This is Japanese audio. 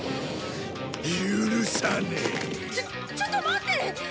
ちょちょっと待って！